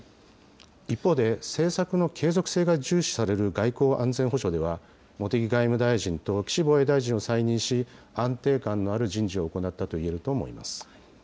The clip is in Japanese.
一方で、政策の継続性が重視される外交・安全保障では、茂木外務大臣と岸防衛大臣を再任し、安定感のある人事を行ったといえると思います。